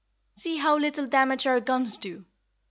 "See how little damage our guns do!"